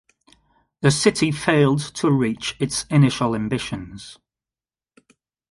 The city failed to reach its initial ambitions.